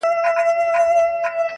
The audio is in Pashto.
د خپل ورور زړه یې څیرلی په خنجر دی،